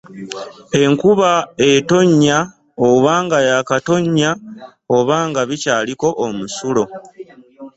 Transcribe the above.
Enkuba etonnya oba nga yaakatonnya oba nga bikyaliko omusulo.